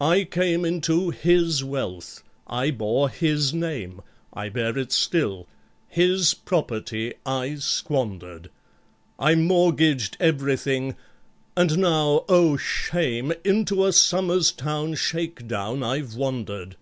"I came into his wealth—I bore his name, I bear it still—his property I squandered— I mortgaged everything—and now (oh, shame!) Into a Somers Town shake down I've wandered!